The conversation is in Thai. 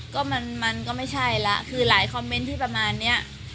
ก็มันก็ไม่ใช่แล้วคือหลายคอมเมนต์ที่ประมาณเนี้ย